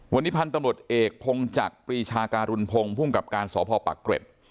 วันนี้พันธุ์ตำรวจเอกพงจักรปรีชาการุณพงศ์ภูมิกับการสพปักเกร็ด